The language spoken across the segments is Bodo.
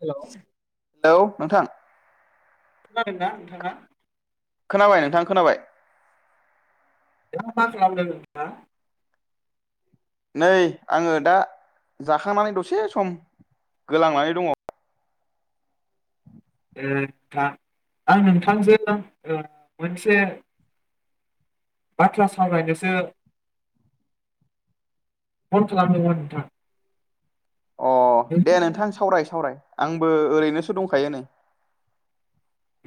हेल' हेलौ नोंथां खोनादोंना दा नोंथाङा खोनाबाय नोंथां खोनाबाय [unintelligible] नोंथाङा नै आङो दा जाखांनानै दसे सम गोलांनानै दङ नोंथां आं नोंथांजों ओ मोनसे बाथ्रा सावरायनोसो फन खालामदोंमोन नोंथां अ दे नोंथाङा नोंथां सावराय आंबो ओरैनोसो दंखायो नै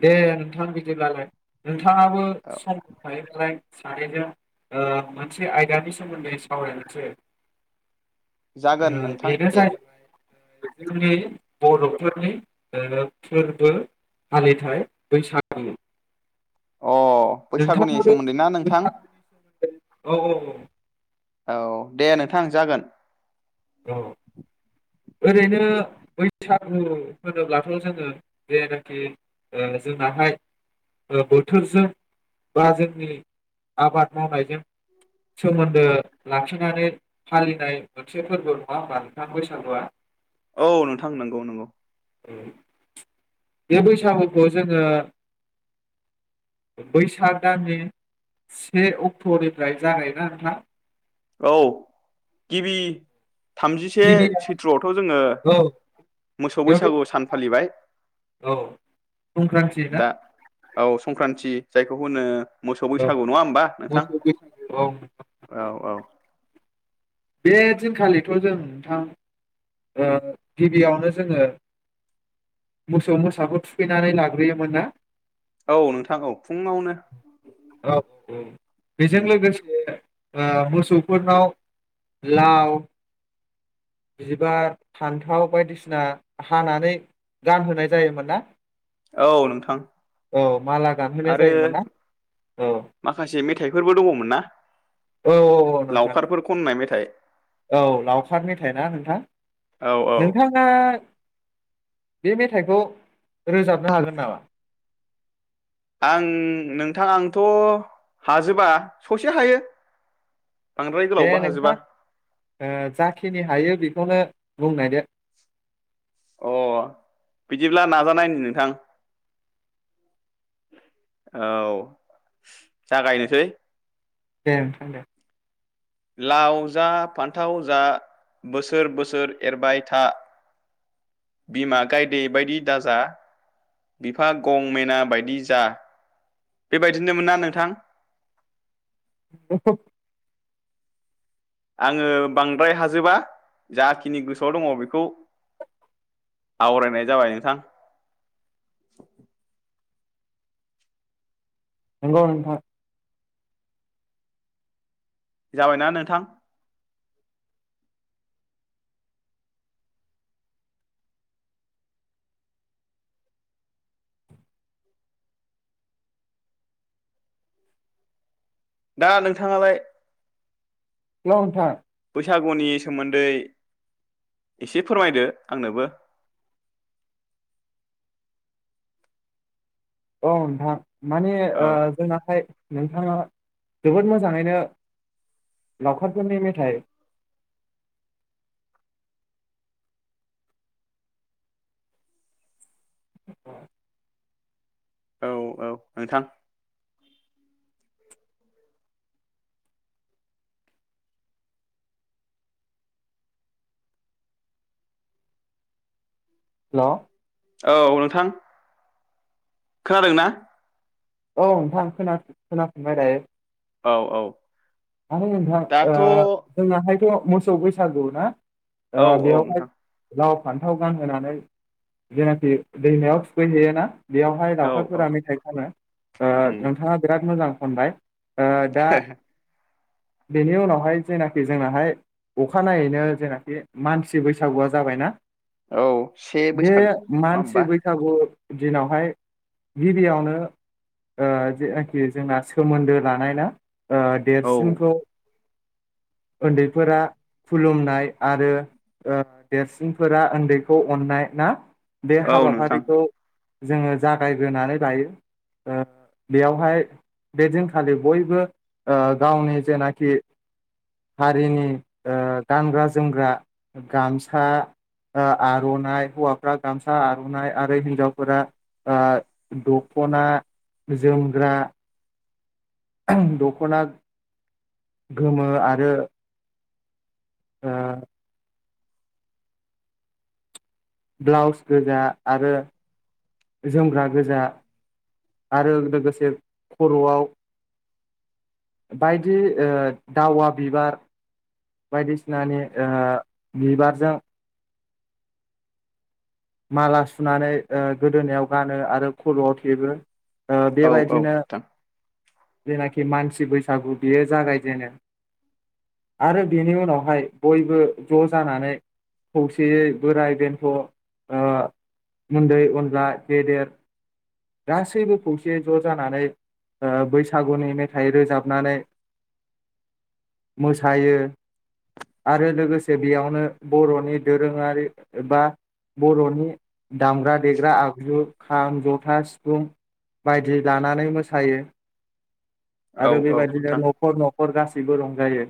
दे नोंथां बिदिब्लालाय नोंथाङाबो औ सम दंखायोबालाय सानैजों ओ मोनसे आयदानि सोमोन्दै सावरायनोसै जागोन ओं नोंथां बेनो दे जाहैबाय जोंनि बरफोरनि दोरोम फोरबो फालिथाय बैसागु अ नोंथां बैसागुनि आबो सोमोन्दै ना नोंथां बैसागुनि सोमोन्दै औ औ औ [unintelligible] औ दे नोंथां जागोन औ ओरैनो बैसागु होनोब्लाथ जोङो जेनाखि ओ जोंनाहाय बोथोरजों बा जोंनि आबाद मावनायजों सोमोन्दो लाखिनानै फालिनाय मोनसे फोरबो नङा होमबा नोंथां बैसागुआ औ नोंथां नंगौ नंगौ औ बे बैसागुखौ जोङो बैसाग दाननि से अक्ट'निफ्राय जागायोना नोंथां औ गिबि थामजिसे गिबिया सैथ्रआवथ' जोङो औ मोसौ बेयावथ' बैसागु सान फालिबाय संक्रान्ति औ संक्रान्ति दा ना औ संक्रान्ति जायखौ होनो मोसौ औ बैसागु नङा होमबा नोंथां मोसौ बैसागु औ औ औ बे दिनखालिथ' जों नोंथां ओ गिबियावनो जोङो मोसौ मोसाखौ थुखैनानै लाग्रोयोमोन ना औ नोंथां औ फुङावनो औ औ बेजों उम लोगोसे आ मोसौफोरनाव लाव बिबार फान्थाव बायदिसिना हानानै गानहोनाय जायोमोन ना औ नोंथां औ माला गानहोनाय आरो जायोमोन ना औ माखासे मेथाइफोरबो दङमोन ना औ औ नोंथां लावखारफोर खननाय मेथाइ औ लावखार मेथाइ ना नोंथा औ औ नोंथाङा बे मेथाइखौ रोजाबनो हागोन नामा आं नोंथां आंथ' हाजोबा ससे हायो बांद्राय दे गोलावबो हाजोबा नोंथां ओ जाखिनि हायो बेखौनो बुंनाय दो अ बिदिब्ला नाजानायनि नोंथां औ जागायनोसै दे नोंथां दे लाव जा फान्थाव जा बोसोर बोसोर एरबाय था बिमा गायदे बायदि दाजा बिफा गं मेना बायदि जा बेबायदिनोमोन ना नोंथां [unintelligible] आङो बांद्राय हाजोबा जाखिनि गोसोआव दङ बेखौ आवरायनाय जाबाय नोंथां नंगौ नोंथां जाबायना नोंथां दा नोंथाङालाय लथां बैसागुनि सोमोन्दै एसे फोरमायदो आंनोबो औ नोंथां माने औ ओ जोंनाहाय नोंथाङा जोबोद मोजाङैनो लावखारफोरनि मेथाइ [unintelligible] औ औ नोंथां हेल' औ नोंथां खोनादों ना औ नोंथां खोनाफिनबाय दायो औ औ आरो नोंथां ओ दाथ' औ जोंनाहाय मोसौ बैसागु ना औ बेवहाय नोंथां लाव फान्थाव गानहोनानै जेनाखि दैमायाव थुखैहैयो ना बेयावहाय औ औ लावखारफोरा मेथाइ खनो उम नोंथाङा बिराद मोजां अनबाय ओ दा बेनि उनावहाय जेनाखि जोंनाहाय अखानायनायैनो जेनाखि मानसि बैसागुआ जाबायना औ से बे बैसाग नङा मानसि होमबा बैसागु दिनावहाय गिबियावनो ओ जेनाखि जोंना सोमोन्दो लानाय ना औ देरसिनखौ उन्दैफोरा खुलुमनाय आरो देरसिनफोरा उन्दैखौ अननाय ना बे औ नोंथां हाबाफारिखौ जोङो जागायग्रोनानै लायो ओ बेयावहाय बेदिनखालि बयबो ओ गावनि जेनाखि हारिनि ओ गानग्रा जोमग्रा ओ गामसा आरनाइ हौवाफ्रा गामसा आरनाइ आरो हिन्जावफोरा दखना जोमग्रा दखना गोमो आरो ओ ब्लाउस गोजा आरो जोमग्रा गोजा आरो लोगोसे खरआव बायदि ओ दावा बिबार बायदिसिनानि बिबारजों माला सुनानै ओ गोदोनायाव गानो आरो खरआव थेबो ओ औ औ बेबायदिनो नोंथां जेनाखि मानसि बैसागु बेयो जागायजेनो आरो बेनि उनावहाय बयबो जजानानै खौसेयै बोराय बेन्थ' ओ उन्दै अनला गेदेर गासैबो खौसेै ज' जानानै बैसागुनि मेथाइ रोजाबनानै मोसायो आरो लोगोसे बेयावनो बर'नि दोरोङारि बा बर'नि दामग्रा देग्रा आगजु खाम जथा सिफुं बायदि लानानै मोसायो औ आरो औ बेबायदिनो नोंथां न'खर न'खर गासैबो सिबो रंजायो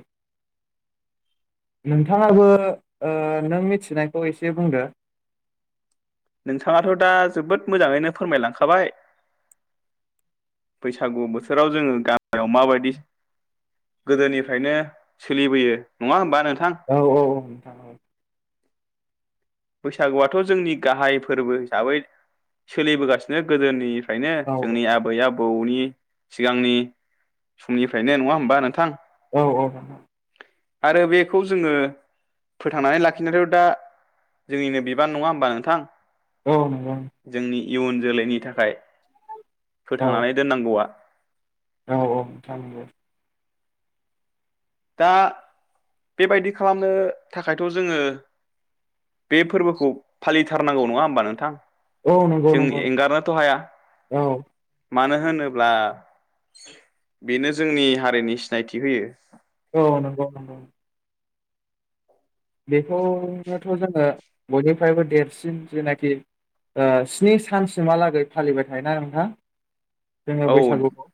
नोंथाङाबो ओ नों मिथिनायखौ एसे बुंदो नोंथाङाथ' दा जोबोद मोजाङैनो फोरमायलांखाबाय बैसागु बोथोराव जोङो गामियाव माबायदि गोदोनिफ्रायनो सोलिबोयो नङा होमबा नोंथ औ औ औ नोंथां औ बैसागुआथ' जोंनि गाहाय फोरबो हिसाबै सोलिबोगासिनो गोदोनि ओंखायनो औ जोंनि आबै आबौनि सिगांनि समनिफ्रायनो नङा होमबा नोंथां औ- औ आरो बेखौ जोङो फोथांनानै लाखिनोथ दा जोंनिनो बिबान नङा होमबा नोंथां औ नोंगौ जोंनि इयुन जोलैनि थाखाय औ फोथांनानै दोननांगौआ औ औ नोंथां दा बेबायदि खालामनो थाखायथ' जोङो बे फोरबोखौ फालिथारनांगौ नङा होमबा नोंथां औ नंगौ जों नंगौ एंगारनोथ' हाया औ मानो होनोब्ला बेनो जोंनि हारिनि सिनायथि होयो औ नंगौ नंगौ बेखौनोथ' जोङो बयनिफ्रायबो देरसिन जेनाखि ओ स्नि सानसिमहालागै फालिबाय थायोना नोंथां जोङो औ बैसागुखौ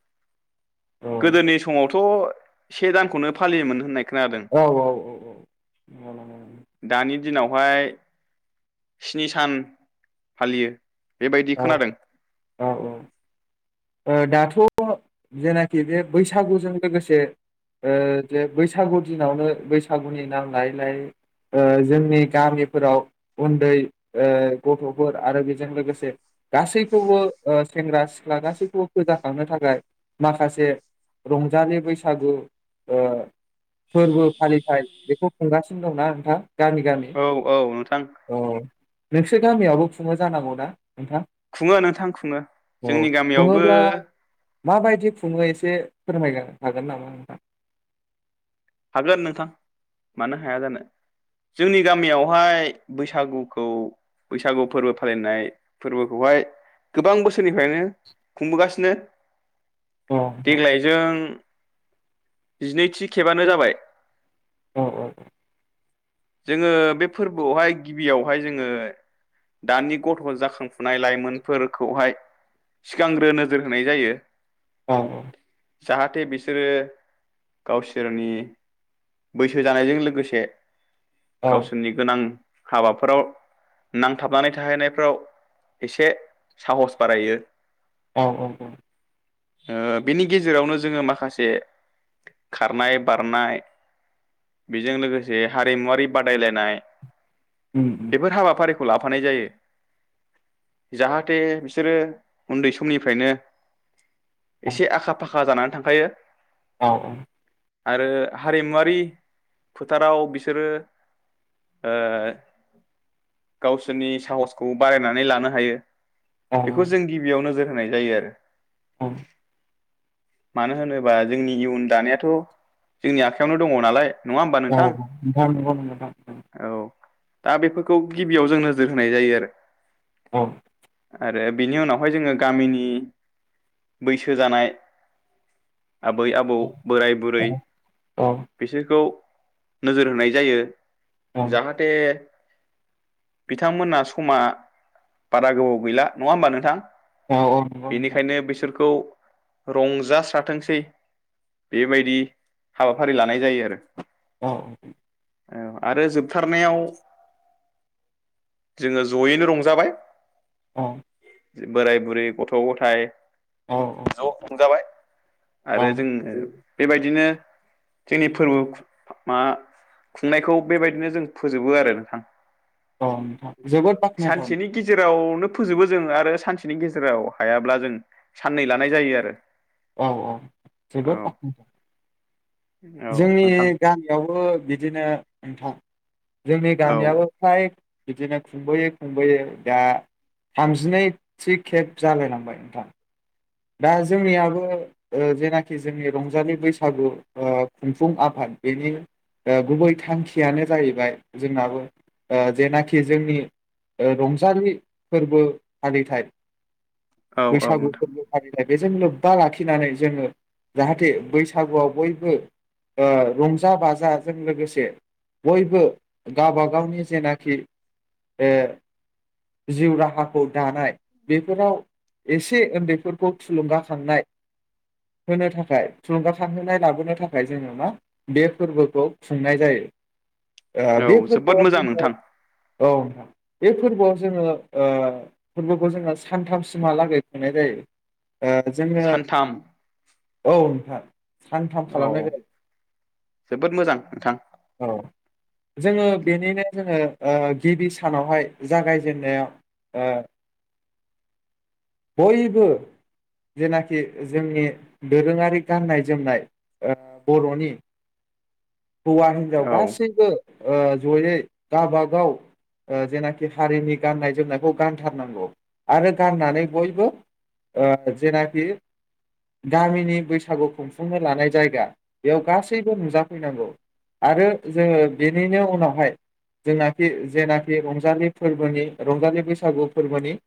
औ गोदोनि समावथ' से दानखौनो फालिमोन होननाय खोनादों औ औ औ दानि दिनावहाय स्नि सान फालियो बेबायदि औ खोनादों औ औ ओ दाथ' जेनाखि बे बैसागुजों लोगोसे ओ जे बैसागु दिनावनो बैसागुनि नां नायलाय ओ जोंनि गामिफोराव उन्दै ओ गथ'फोर आरो बेजों लोगोसे गासैखौबो ओ सेंग्रा सिख्ला गासैखौबो फोजाखांनो थाखाय माखासे रंजालि बैसागु ओ फोरबो फालिथाय बेखौ खुंगासिनो दंना नोंथां गामि गामि औ औ नोंथां औ नोंसोर गामियावबो खुङो जानांगौ ना नोंथा खुङो नोंथां खुङो औ जोंनि गामियावबो खुङोब्ला माबायदि खुङो एसे फोरमायनो हागोन नामा नोंथां हागोन नोंथां मानो हाया जानो जोंनि गामियावहाय बैसागुखौ बैसागु फोरबो फालिनाय फोरबोखौहाय गोबां बोसोरनिफ्रायनो खुंबोगासिनो। औ नोंथां देग्लायजों जिनैथि खेब बानो जाबाय औ औ औ जोङो बे फोरबोआवहाय गिबियावहाय जोङो दानि गथ' जाखांफुनाय लाइमोनफोरखौहाय सिगांग्रो नोजोर होनाय जायो औ औ जाहाथे बिसोरो गाव सोरनि बैसो जानायजों लोगोसे औ गावसोरनि गोनां हाबाफोराव नांथाबनानै थाहैनायफ्राव एसे साहस बारायो। औ औ औ ओ बिनि गेजेरावनो जोङो माखासे खारनाय बारनाय बेजों लोगोसे हारिमुवारि बादायलायनाय उम उम बेफोर हाबाफारि लाफानाय जायो जाहाथे बिसोरो उन्दै समनिफ्रायनो औ एसे आखा फाखा जानानै थांखायो औ औ आरो हारिमुवा रि फोथाराव बिसोरो ओ गावसोरनि साहसखौ बारायनानै लानो हायो । औ बेखौ जों गिबियाव नोजोर होनाय जायो आरो औ मानो होनोबा जोंनि इयन दानायाथ' जोंनि आखायावनो दङ नालाय नङा होमबा औ नोंथां नोंगौ नोंथां औ दा बेफोरखौ गिबियाव जों नोजोर होनाय जायो आरो औ आरो बिनि उनावहाय जोङो गामिनि बैसो जानाय आबै आबौ बोराय बुरै औ सोरखौ नोजोर होनाय जायो औ जाहाथे बिथांमोना समा बारा गोबाव गैला नङा होमबा नोंथां औ औ नंगौ नोंथां बेनिखायनो बिसोरखौ रंजास्राथोंसै बेबायदि हाबा फारि लानाय जायो आरो औ औ आरो जोबथारनायाव जोङो जयैनो रंजाबाय अ बोराय बुरै गथ' गथाइ औ ज' संजाबाय आरो औ जोङो बेबायदिनो जोंनि फोरबो खु मा खुंनायखौ बेबायदिनो जों फोजोबो आरो नोंथां औ नोंथां जोबोद बाखनायथाव सानसेनि गेजेरावनो फोजोबो जों आरो सानसेनि गेजेराव हायाब्ला जों साननै लानाय जायो आरो औ औ औ जोबोद बाखनायथाव औ जोंनि नोंथां गामियावबो बि बिदिनो नोंथां जोंनि औ गामियाबो फ्राय बिदिनो खुंबोयै खुंबोयै दा थामजिनैथि खेब जालाय लांबाय नोंथां दा जोंनियाबो ओ जेनाखि जोंनि रंजालि बैसागु ओ खुंफुं आफाद बेनि ओ गुबै थांखियानो जाहैबाय जोंनाबो ओ जेनाखि जोंनि ओ रंजालि फोरबो फालिथाय औ औ बैसागु नोंथां फोरबो फालिथाय बेजों लोब्बा लाखिनानै जोङो जाहाथे बैसागुआव बयबो ओ रंजा बाजाजों लोगोसे बयबो गावबा गावनि जेनाखि ओ जिउ राहाखौ दानाय बेफोराव एसे उन्दैफोर थुलुंगाखांनाय होनो थाखाय थुलुंगाखांहोनाय लाबोनो थाखाय जोङो मा बे फोरबोखौ खुंनाय जायो ओ औ बे जोबोद फोरबोआव मोजां जोङो नोंथां औ नोंथां बे फोरबोआव जोङो ओ फोरबोखौ जोङो सानथामसिमहालागै खुंनाय जायो जोङो सानथाम औ नोंथां सानथाम औ खालामनाय जायो जोबोद मोजां नोंथां औ जोङो बेनिनो जोङो ओ गिबि सानावहाय जागायजेननायाव ओ बयबो जेनाखि जोंनि दोरोङारि गाननाय जोमनाय ओ बरनि हौवा हिनजाव औ गासैबो ओ जयै गावबागाव ओ जेनाखि हारिनि गाननाय जोमनायखौ गानथारनांगौ आरो गाननानै बयबो जेनाखि गामिनि बैसागु खुंफुंनो लानाय जायगा बेयाव गासैबो नुजाफैनांगौ आरो जोङो बेनिनो उनावहाय जोंनाखि जेनाखि रंजालि फोरबोनि रंजालि बैसागु फोरबोनि